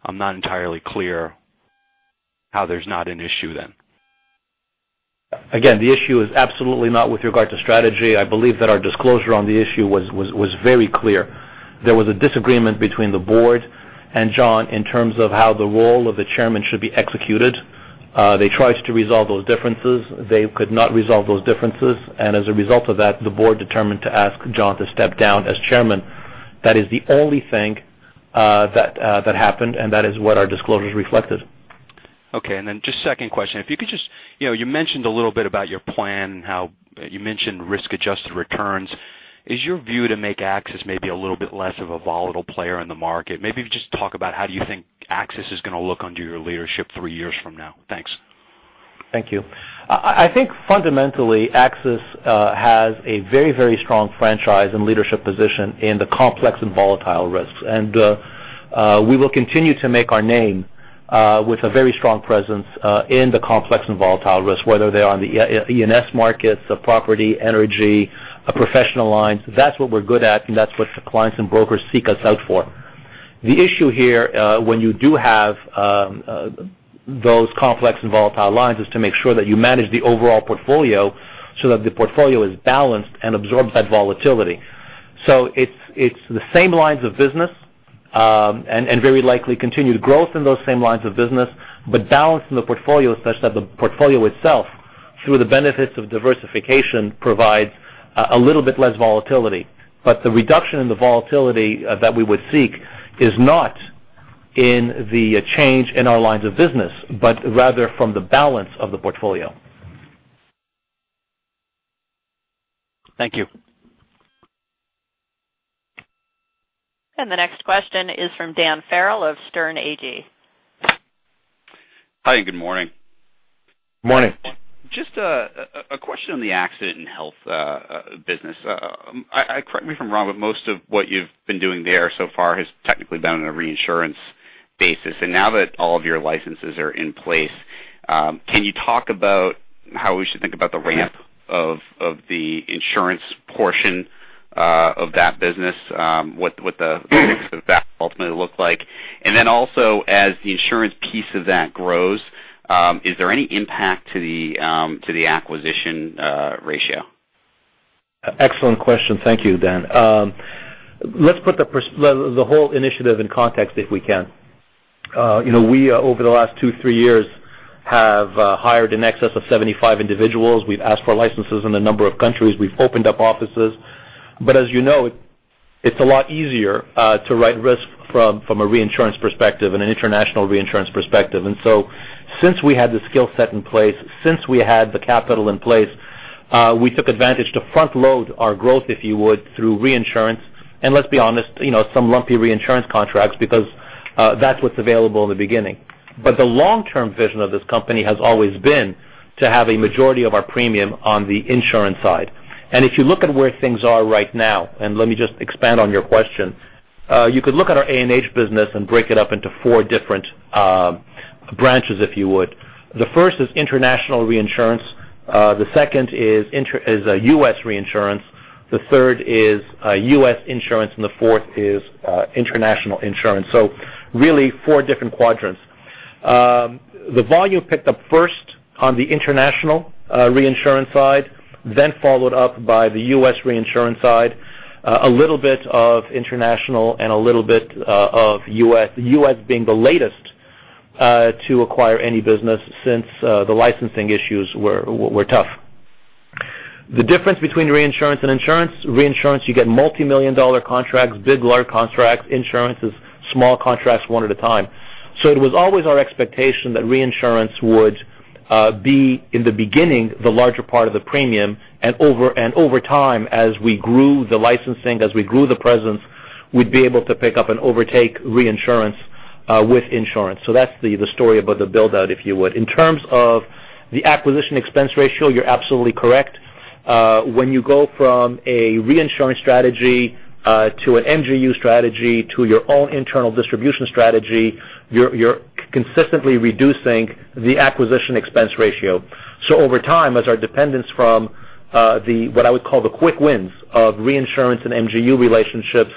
I'm not entirely clear how there's not an issue then. The issue is absolutely not with regard to strategy. I believe that our disclosure on the issue was very clear. There was a disagreement between the board and John in terms of how the role of the chairman should be executed. They tried to resolve those differences. They could not resolve those differences, as a result of that, the board determined to ask John to step down as chairman. That is the only thing that happened, and that is what our disclosures reflected. Okay. Just second question, you mentioned a little bit about your plan, how you mentioned risk-adjusted returns. Is your view to make AXIS maybe a little bit less of a volatile player in the market? Maybe just talk about how you think AXIS is going to look under your leadership three years from now. Thanks. Thank you. I think fundamentally, AXIS has a very strong franchise and leadership position in the complex and volatile risks. We will continue to make our name with a very strong presence in the complex and volatile risks, whether they are in the E&S markets of property, energy, professional lines. That's what we're good at, and that's what clients and brokers seek us out for. The issue here when you do have those complex and volatile lines, is to make sure that you manage the overall portfolio so that the portfolio is balanced and absorbs that volatility. It's the same lines of business, and very likely continued growth in those same lines of business, but balanced in the portfolio such that the portfolio itself, through the benefits of diversification, provides a little bit less volatility. The reduction in the volatility that we would seek is not in the change in our lines of business, but rather from the balance of the portfolio. Thank you. The next question is from Dan Farrell of Sterne Agee. Hi, good morning. Morning. A question on the accident and health business. Correct me if I'm wrong, most of what you've been doing there so far has technically been on a reinsurance basis. Now that all of your licenses are in place, can you talk about how we should think about the ramp of the insurance portion of that business, what the mix of that ultimately look like? Then also, as the insurance piece of that grows, is there any impact to the acquisition ratio? Excellent question. Thank you, Dan. Let's put the whole initiative in context, if we can. We, over the last two, three years, have hired in excess of 75 individuals. We've asked for licenses in a number of countries. We've opened up offices. As you know, it's a lot easier to write risk from a reinsurance perspective and an international reinsurance perspective. Since we had the skill set in place, since we had the capital in place, we took advantage to front-load our growth, if you would, through reinsurance. Let's be honest, some lumpy reinsurance contracts because that's what's available in the beginning. The long-term vision of this company has always been to have a majority of our premium on the insurance side. If you look at where things are right now, let me just expand on your question. You could look at our A&H business and break it up into four different branches, if you would. The first is international reinsurance, the second is U.S. reinsurance, the third is U.S. insurance, and the fourth is international insurance. Really four different quadrants. The volume picked up first on the international reinsurance side, then followed up by the U.S. reinsurance side. A little bit of international and a little bit of U.S. The U.S. being the latest to acquire any business since the licensing issues were tough. The difference between reinsurance and insurance, reinsurance you get multimillion-dollar contracts, big large contracts. Insurance is small contracts one at a time. It was always our expectation that reinsurance would be, in the beginning, the larger part of the premium and over time, as we grew the licensing, as we grew the presence, we'd be able to pick up and overtake reinsurance with insurance. That's the story about the build-out, if you would. In terms of the acquisition expense ratio, you're absolutely correct. When you go from a reinsurance strategy to an MGU strategy to your own internal distribution strategy, you're consistently reducing the acquisition expense ratio. Over time, as our dependence from what I would call the quick wins of reinsurance and MGU relationships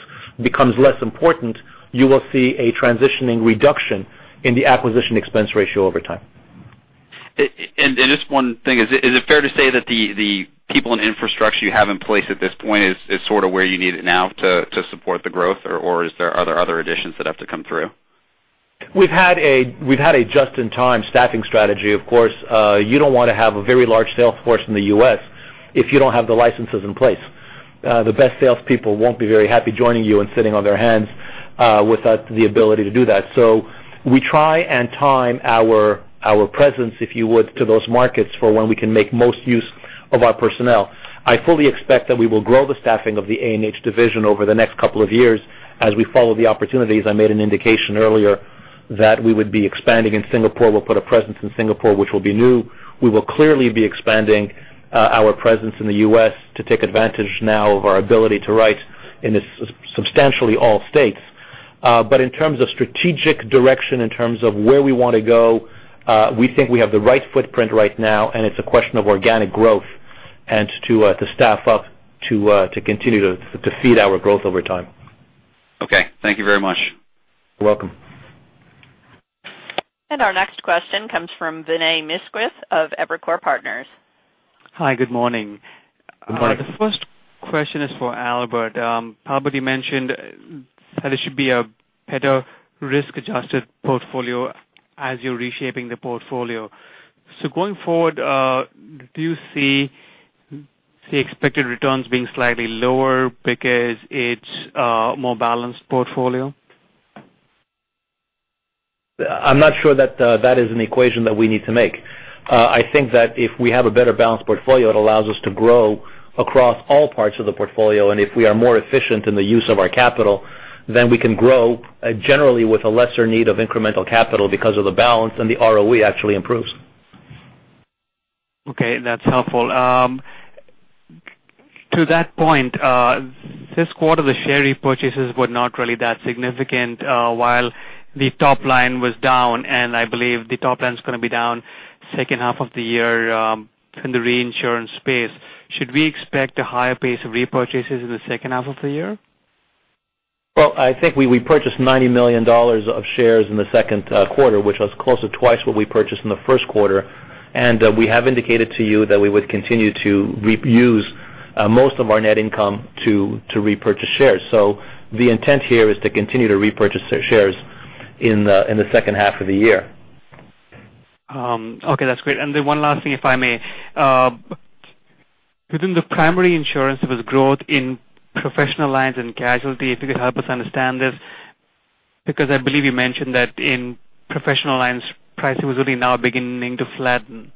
becomes less important, you will see a transitioning reduction in the acquisition expense ratio over time. Is it fair to say that the people and infrastructure you have in place at this point is sort of where you need it now to support the growth? Are there other additions that have to come through? We've had a just-in-time staffing strategy. Of course, you don't want to have a very large sales force in the U.S. if you don't have the licenses in place. The best salespeople won't be very happy joining you and sitting on their hands without the ability to do that. We try and time our presence, if you would, to those markets for when we can make most use of our personnel. I fully expect that we will grow the staffing of the A&H division over the next couple of years as we follow the opportunities. I made an indication earlier that we would be expanding in Singapore. We'll put a presence in Singapore, which will be new. We will clearly be expanding our presence in the U.S. to take advantage now of our ability to write in substantially all states. In terms of strategic direction, in terms of where we want to go, we think we have the right footprint right now, and it's a question of organic growth and to staff up to continue to feed our growth over time. Okay. Thank you very much. You're welcome. Our next question comes from Vinay Misquith of Evercore Partners. Hi. Good morning. Good morning. The first question is for Albert. Probably mentioned that it should be a better risk-adjusted portfolio as you're reshaping the portfolio. Going forward, do you see expected returns being slightly lower because it's a more balanced portfolio? I'm not sure that is an equation that we need to make. I think that if we have a better balanced portfolio, it allows us to grow across all parts of the portfolio, and if we are more efficient in the use of our capital, then we can grow generally with a lesser need of incremental capital because of the balance, and the ROE actually improves. Okay. That's helpful. To that point, this quarter, the share repurchases were not really that significant while the top line was down, and I believe the top line's going to be down second half of the year in the reinsurance space. Should we expect a higher pace of repurchases in the second half of the year? Well, I think we purchased $90 million of shares in the second quarter, which was close to twice what we purchased in the first quarter. We have indicated to you that we would continue to reuse most of our net income to repurchase shares. The intent here is to continue to repurchase shares in the second half of the year. Okay. That's great. One last thing, if I may. Within the primary insurance, there was growth in professional lines and casualty. If you could help us understand this, because I believe you mentioned that in professional lines, pricing was only now beginning to flatten.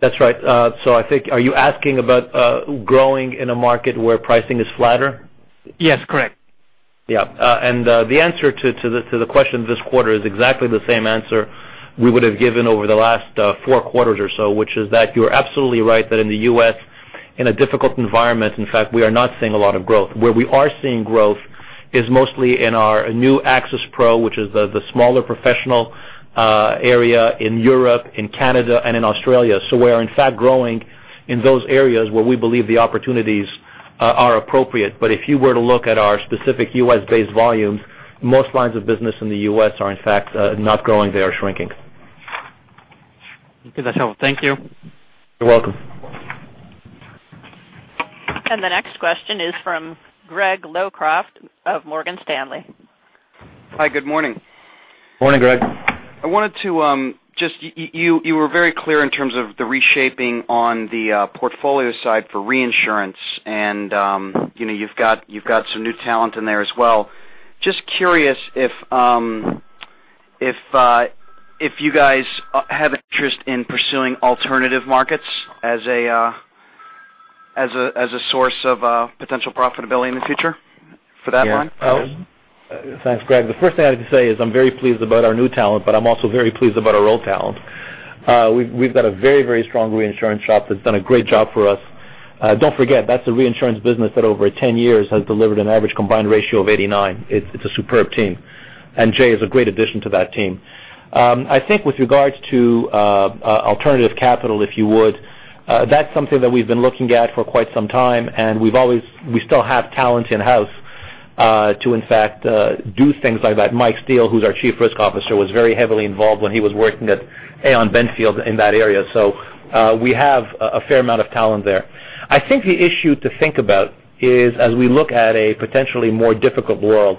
That's right. I think, are you asking about growing in a market where pricing is flatter? Yes, correct. Yeah. The answer to the question this quarter is exactly the same answer we would have given over the last four quarters or so, which is that you're absolutely right that in the U.S., in a difficult environment, in fact, we are not seeing a lot of growth. Where we are seeing growth is mostly in our new AXIS PRO, which is the smaller professional area in Europe, in Canada, and in Australia. We are in fact growing in those areas where we believe the opportunities are appropriate. If you were to look at our specific U.S.-based volumes, most lines of business in the U.S. are, in fact, not growing. They are shrinking. Okay. That's helpful. Thank you. You're welcome. The next question is from Greg Locraft of Morgan Stanley. Hi. Good morning. Morning, Greg. I wanted to You were very clear in terms of the reshaping on the portfolio side for reinsurance, and you've got some new talent in there as well. Just curious if you guys have interest in pursuing alternative markets as a source of potential profitability in the future for that line? Yeah. Thanks, Greg. The first thing I have to say is I'm very pleased about our new talent, I'm also very pleased about our old talent. We've got a very strong reinsurance shop that's done a great job for us. Don't forget, that's a reinsurance business that over 10 years has delivered an average combined ratio of 89. It's a superb team. Jay is a great addition to that team. I think with regards to alternative capital, if you would, that's something that we've been looking at for quite some time, and we still have talent in-house to in fact do things like that. Mike Steele, who's our Chief Risk Officer, was very heavily involved when he was working at Aon Benfield in that area. We have a fair amount of talent there. I think the issue to think about is as we look at a potentially more difficult world.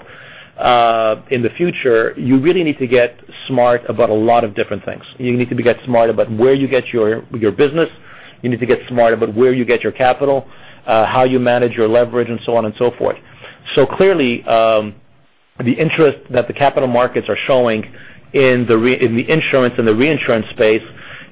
In the future, you really need to get smart about a lot of different things. You need to get smarter about where you get your business. You need to get smarter about where you get your capital, how you manage your leverage, and so on and so forth. Clearly, the interest that the capital markets are showing in the insurance and the reinsurance space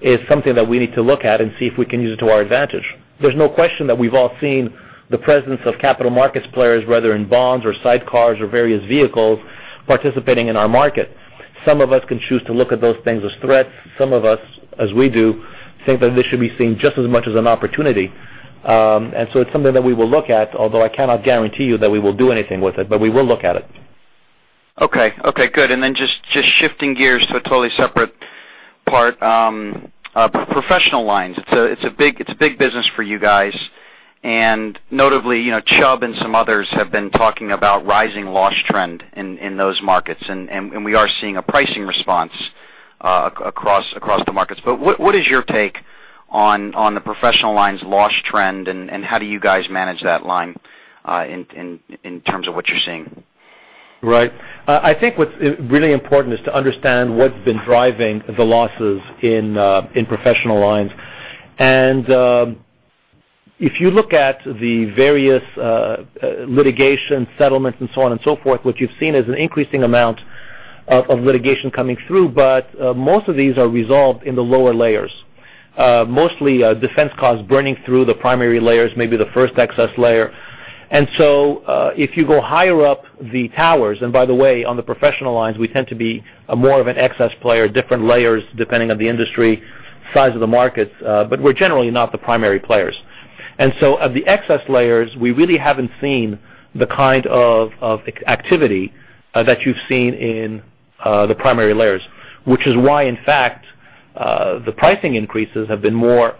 is something that we need to look at and see if we can use it to our advantage. There's no question that we've all seen the presence of capital markets players, whether in bonds or sidecars or various vehicles participating in our market. Some of us can choose to look at those things as threats. Some of us, as we do, think that they should be seen just as much as an opportunity. It's something that we will look at, although I cannot guarantee you that we will do anything with it, but we will look at it. Okay. Good. Just shifting gears to a totally separate part. Professional lines, it's a big business for you guys. Notably, Chubb and some others have been talking about rising loss trend in those markets. We are seeing a pricing response across the markets. What is your take on the professional lines loss trend, and how do you guys manage that line in terms of what you're seeing? Right. I think what's really important is to understand what's been driving the losses in professional lines. If you look at the various litigation settlements and so on and so forth, what you've seen is an increasing amount of litigation coming through, but most of these are resolved in the lower layers. Mostly defense costs burning through the primary layers, maybe the first excess layer. If you go higher up the towers, and by the way, on the professional lines, we tend to be more of an excess player, different layers depending on the industry, size of the markets, but we're generally not the primary players. At the excess layers, we really haven't seen the kind of activity that you've seen in the primary layers, which is why, in fact, the pricing increases have been more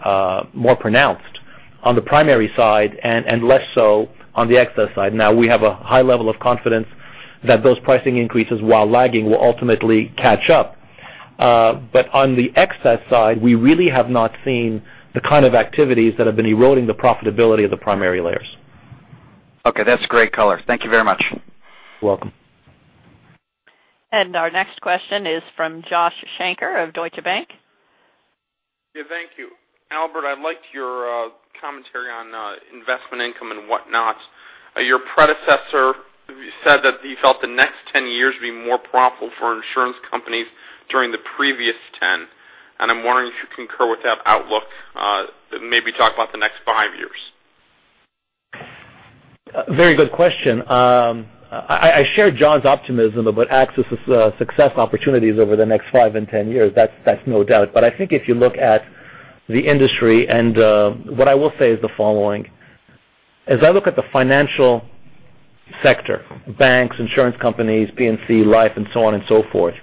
pronounced on the primary side and less so on the excess side. Now we have a high level of confidence that those pricing increases, while lagging, will ultimately catch up. On the excess side, we really have not seen the kind of activities that have been eroding the profitability of the primary layers. Okay, that's great color. Thank you very much. You're welcome. Our next question is from Josh Shanker of Deutsche Bank. Yeah, thank you. Albert, I liked your commentary on investment income and whatnot. Your predecessor said that he felt the next 10 years would be more profitable for insurance companies during the previous 10. I'm wondering if you concur with that outlook. Maybe talk about the next five years. Very good question. I share John's optimism about AXIS's success opportunities over the next five and 10 years. That's no doubt. I think if you look at the industry, and what I will say is the following. As I look at the financial sector, banks, insurance companies, P&C, life, and so on and so forth,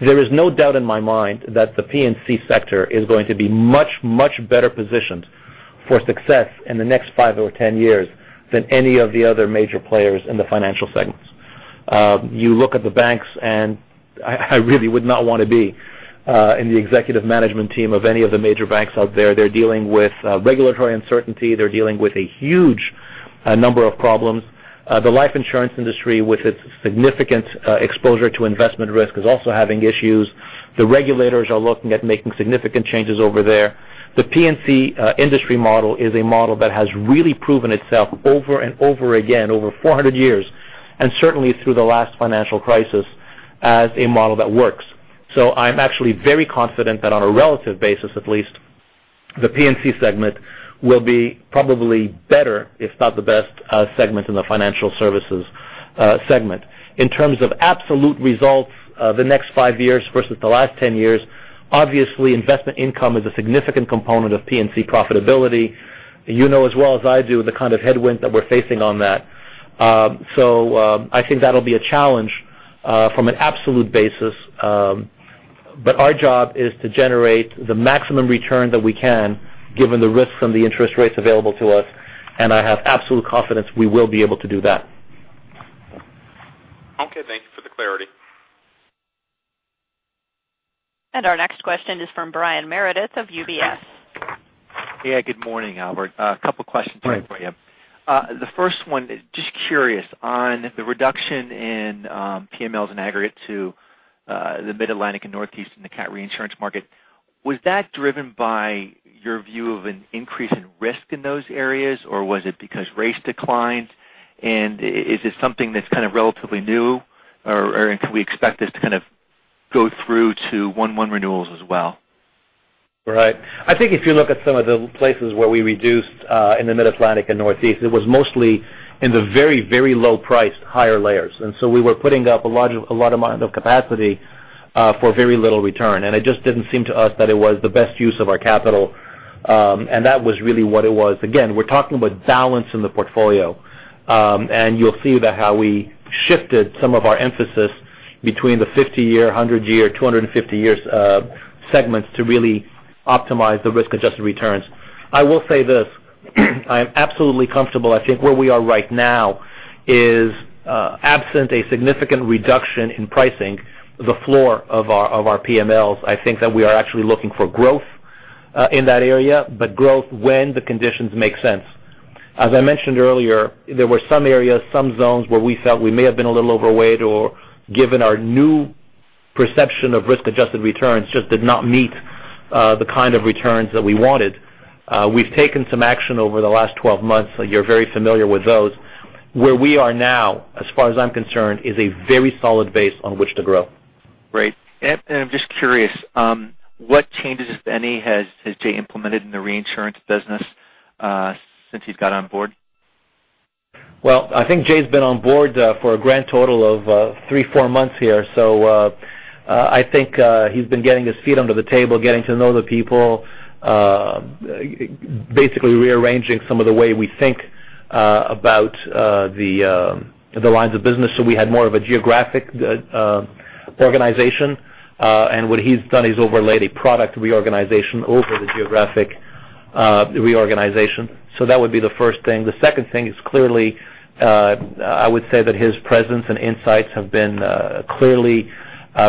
there is no doubt in my mind that the P&C sector is going to be much, much better positioned for success in the next five or 10 years than any of the other major players in the financial segments. You look at the banks, I really would not want to be in the executive management team of any of the major banks out there. They're dealing with regulatory uncertainty. They're dealing with a huge number of problems. The life insurance industry, with its significant exposure to investment risk, is also having issues. The regulators are looking at making significant changes over there. The P&C industry model is a model that has really proven itself over and over again over 400 years, and certainly through the last financial crisis as a model that works. I'm actually very confident that on a relative basis, at least, the P&C segment will be probably better, if not the best segment in the financial services segment. In terms of absolute results the next five years versus the last 10 years, obviously, investment income is a significant component of P&C profitability. You know as well as I do the kind of headwind that we're facing on that. I think that'll be a challenge from an absolute basis. Our job is to generate the maximum return that we can given the risks and the interest rates available to us, I have absolute confidence we will be able to do that. Okay. Thank you for the clarity. Our next question is from Brian Meredith of UBS. Yeah, good morning, Albert. A couple of questions here for you. Right. The first one, just curious on the reduction in PMLs in aggregate to the Mid-Atlantic and Northeast in the cat reinsurance market. Was that driven by your view of an increase in risk in those areas, or was it because rates declined? Is this something that's kind of relatively new, or can we expect this to kind of go through to 1/1 renewals as well? Right. I think if you look at some of the places where we reduced in the Mid-Atlantic and Northeast, it was mostly in the very, very low-priced higher layers. So we were putting up a lot amount of capacity for very little return, and it just didn't seem to us that it was the best use of our capital, and that was really what it was. Again, we're talking about balance in the portfolio. You'll see that how we shifted some of our emphasis between the 50-year, 100-year, 250-year segments to really optimize the risk-adjusted returns. I will say this. I am absolutely comfortable, I think, where we are right now Is absent a significant reduction in pricing the floor of our PMLs. I think that we are actually looking for growth in that area, but growth when the conditions make sense. As I mentioned earlier, there were some areas, some zones where we felt we may have been a little overweight or given our new perception of risk-adjusted returns, just did not meet the kind of returns that we wanted. We've taken some action over the last 12 months. You're very familiar with those. Where we are now, as far as I'm concerned, is a very solid base on which to grow. Great. I'm just curious, what changes, if any, has Jay implemented in the reinsurance business since he's got on board? I think Jay's been on board for a grand total of three, four months here, so I think he's been getting his feet under the table, getting to know the people, basically rearranging some of the way we think about the lines of business. We had more of a geographic organization. What he's done, he's overlaid a product reorganization over the geographic reorganization. That would be the first thing. The second thing is clearly, I would say that his presence and insights have been clearly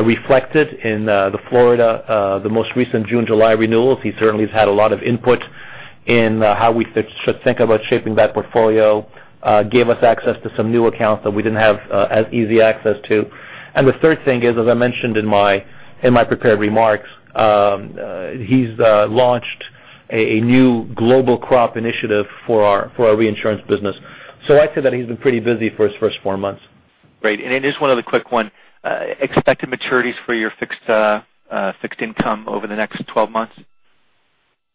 reflected in the Florida, the most recent June, July renewals. He certainly has had a lot of input in how we should think about shaping that portfolio, gave us access to some new accounts that we didn't have as easy access to. The third thing is, as I mentioned in my prepared remarks, he's launched a new global crop initiative for our reinsurance business. I'd say that he's been pretty busy for his first four months. Great. Just one other quick one. Expected maturities for your fixed income over the next 12 months?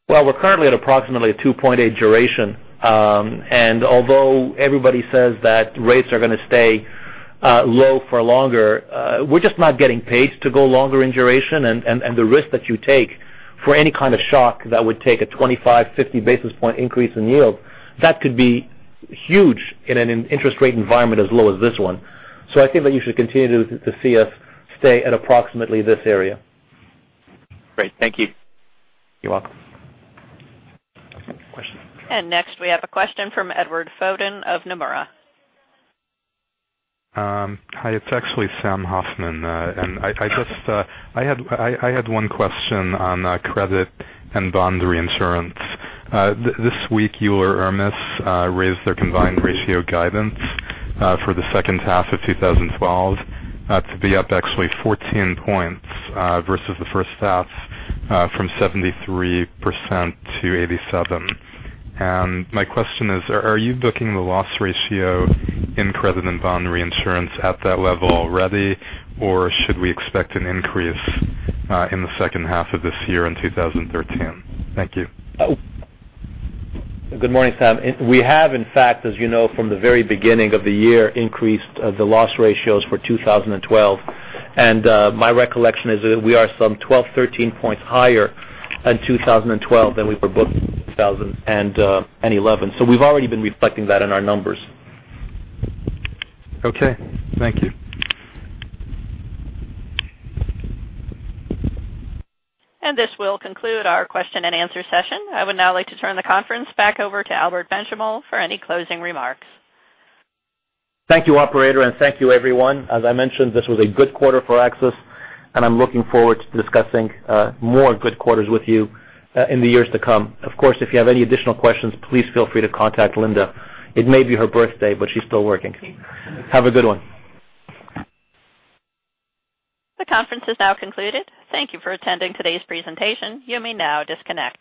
Well, we're currently at approximately 2.8 duration. Although everybody says that rates are going to stay low for longer, we're just not getting paid to go longer in duration. The risk that you take for any kind of shock that would take a 25, 50 basis point increase in yield, that could be huge in an interest rate environment as low as this one. I think that you should continue to see us stay at approximately this area. Great. Thank you. You're welcome. Question. Next we have a question from Edward Foden of Nomura. Hi, it's actually Sam Hoffman. I had one question on credit and bond reinsurance. This week, Euler Hermes raised their combined ratio guidance for the second half of 2012 to be up actually 14 points versus the first half, from 73%-87%. My question is, are you booking the loss ratio in credit and bond reinsurance at that level already, or should we expect an increase in the second half of this year in 2013? Thank you. Good morning, Sam. We have, in fact, as you know, from the very beginning of the year, increased the loss ratios for 2012. My recollection is that we are some 12, 13 points higher in 2012 than we were booked in 2011. We've already been reflecting that in our numbers. Okay. Thank you. This will conclude our question and answer session. I would now like to turn the conference back over to Albert Benchimol for any closing remarks. Thank you, operator, and thank you, everyone. As I mentioned, this was a good quarter for AXIS, and I'm looking forward to discussing more good quarters with you in the years to come. Of course, if you have any additional questions, please feel free to contact Linda. It may be her birthday, but she's still working. Have a good one. The conference is now concluded. Thank you for attending today's presentation. You may now disconnect.